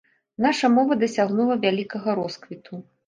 Наша мова дасягнула вялікага росквіту.